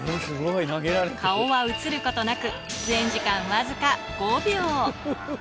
顔は映ることなく、出演時間僅か５秒。